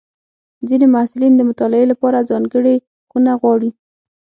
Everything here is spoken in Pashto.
ځینې محصلین د مطالعې لپاره ځانګړې خونه غواړي.